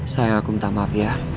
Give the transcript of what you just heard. sayang aku minta maaf ya